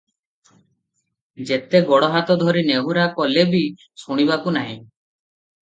ଯେତେ ଗୋଡ଼ ହାତ ଧରି ନେହୁରା କଲେ ବି ଶୁଣିବାକୁ ନାହିଁ ।